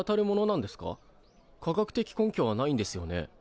科学的根拠はないんですよね？